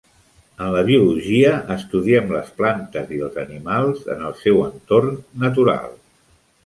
En la biologia estudiem les plantes i els animals en el seu entorn natural.